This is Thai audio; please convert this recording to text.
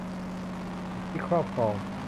สิทธิครอบครอง